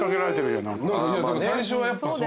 最初はやっぱそう。